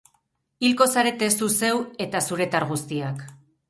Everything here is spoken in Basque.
Hilko zarete zu zeu eta zuretar guztiak.